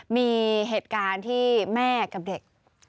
มีเหตุการณ์ที่แม่กับเด็ก